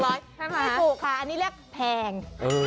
ไม่ถูกค่ะอันนี้เรียกแพง